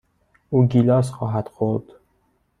او گیلاس خواهد خورد.